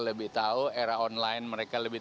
lebih tahu era online mereka lebih